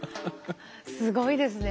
すごいですね。